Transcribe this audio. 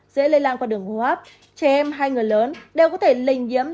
dễ lây lan qua đường hô hấp trẻ em hay người lớn đều có thể lây nhiễm